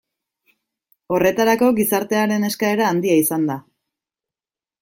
Horretarako gizartearen eskaera handia izan da.